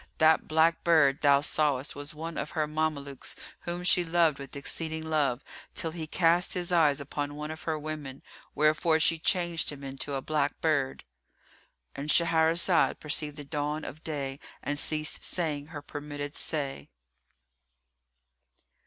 That black bird thou sawest was one of her Mamelukes whom she loved with exceeding love, till he cast his eyes upon one of her women, wherefore she changed him into a black bird";——And Shahrazad perceived the dawn of day and ceased saying her permitted say.